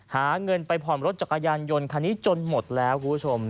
หาเงินไปผ่อนรถจักรยานยนต์คันนี้จนหมดแล้วคุณผู้ชม